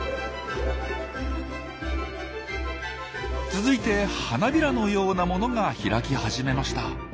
続いて花びらのようなものが開き始めました。